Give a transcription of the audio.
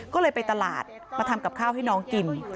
ก็เลยไปตลาดมาทำกับข้าวให้น้องกิน